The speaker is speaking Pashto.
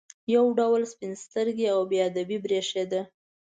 یو ډول سپین سترګي او بې ادبي برېښېده.